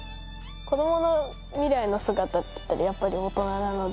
子供のミライの姿っていったらやっぱり大人なので。